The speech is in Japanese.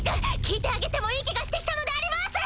聞いてあげてもいい気がして来たのであります！